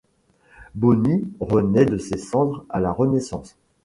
Bonny renaît de ses cendres à la Renaissance.